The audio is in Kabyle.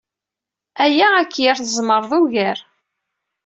Aya ad k-yerr tzemreḍ ugar.